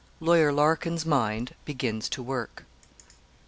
LAWYER LARKIN'S MIND BEGINS TO WORK.